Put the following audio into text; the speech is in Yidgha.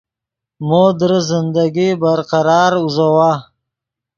مو درست زندگی برقرار اوزوّا